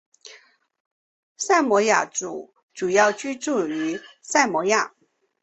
萨摩亚族主要居住于萨摩亚。